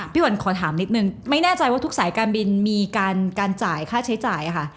วันขอถามนิดนึงไม่แน่ใจว่าทุกสายการบินมีการจ่ายค่าใช้จ่ายค่ะ